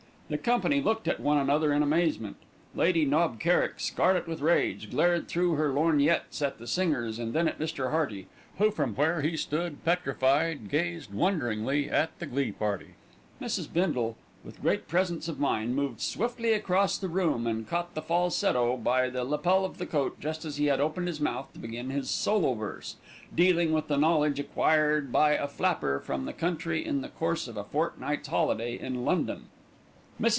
The company looked at one another in amazement. Lady Knob Kerrick, scarlet with rage, glared through her lorgnettes at the singers and then at Mr. Hearty, who from where he stood petrified gazed wonderingtly at the glee party. Mrs. Bindle, with great presence of mind, moved swiftly across the room, and caught the falsetto by the lapel of the coat just as he had opened his mouth to begin his solo verse, dealing with the knowledge acquired by a flapper from the country in the course of a fortnight's holiday in London. Mrs.